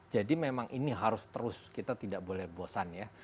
jadi memang ini harus terus kita tidak boleh bosan ya